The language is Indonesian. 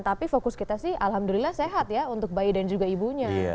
tapi fokus kita sih alhamdulillah sehat ya untuk bayi dan juga ibunya